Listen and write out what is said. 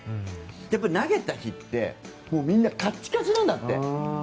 やっぱり投げた日ってみんなカッチカチなんだって。